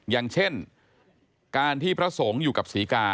อย่างเช่นการที่พระสงฆ์อยู่กับศรีกา